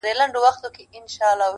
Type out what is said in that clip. تاج پر سر څپلۍ په پښو توره تر ملاوه !.